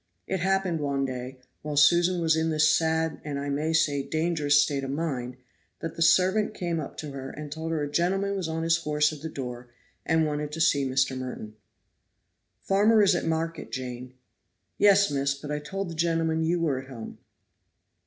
It happened one day, while Susan was in this sad and I may say dangerous state of mind, that the servant came up to her, and told her a gentleman was on his horse at the door, and wanted to see Mr. Merton. "Father is at market, Jane." "Yes, miss, but I told the gentleman you were at home."